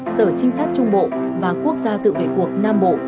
sở trinh sát trung bộ và quốc gia tự vệ cuộc nam bộ